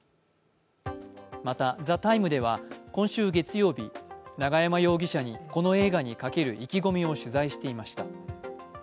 また「ＴＨＥＴＩＭＥ，」では、今週月曜日、永山容疑者にこの映画にかける意気込みを取材していました。